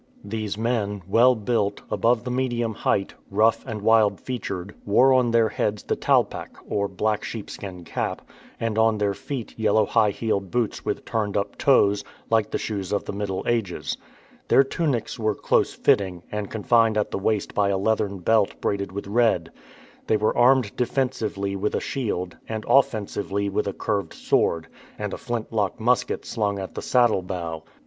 These men, well built, above the medium height, rough, and wild featured, wore on their heads the "talpak," or black sheep skin cap, and on their feet yellow high heeled boots with turned up toes, like the shoes of the Middle Ages. Their tunics were close fitting, and confined at the waist by a leathern belt braided with red. They were armed defensively with a shield, and offensively with a curved sword, and a flintlock musket slung at the saddle bow.